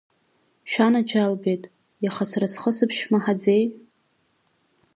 Шәанаџьалбеит, иаха сара схысбжьы шәмаҳаӡеи?